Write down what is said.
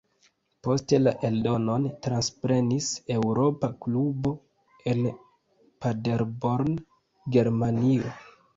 Poste la eldonon transprenis "Eŭropa Klubo" en Paderborn, Germanio.